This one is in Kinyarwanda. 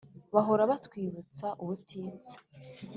bahora batwibutsa ubutitsa